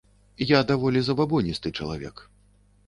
Я даволі забабоністы чалавек.